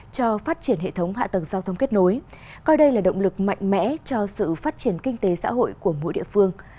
cho phát triển hệ thống hạ tầng giao thông kết nối coi đây là động lực mạnh mẽ cho sự phát triển kinh tế xã hội của mỗi địa phương